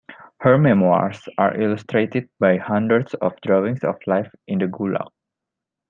Her memoirs are illustrated by hundreds of drawings of life in the Gulag.